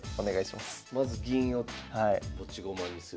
まず銀を持ち駒にする。